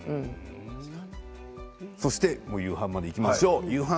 夕飯までいきましょう。